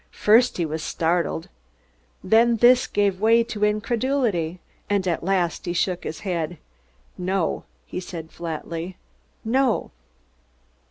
First he was startled, then this gave way to incredulity, and at last he shook his head. "No," he said flatly. "No."